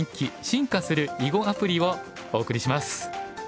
進化する囲碁アプリ」をお送りします。